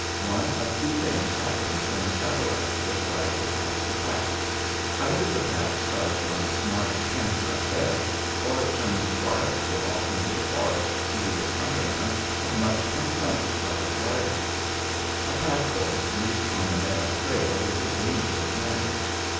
One of two things happens when the saddle outfit tries to pass the pack. Either the pack starts on a smart canter ahead, or it turns wildly off into the forest to the accompaniment of much complaint by the drivers. A pack horse loose on a narrow trail is a dangerous matter.